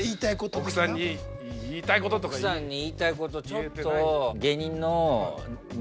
奥さんに言いたいことちょっと。